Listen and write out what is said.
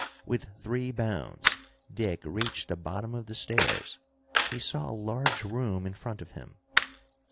With three bounds Dick reached the bottom of the stairs. He saw a large room in front of him.